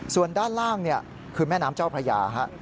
ส่วนด้านล่างคือแม่น้ำเจ้าพระยา